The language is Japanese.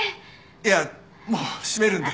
いやもう閉めるんで。